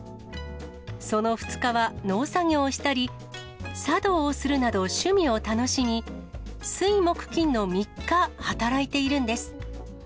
その２日は、農作業をしたり、茶道をするなど、趣味を楽しみ、水木金の３日働いているんです。